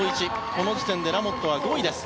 この時点でラモットは５位です。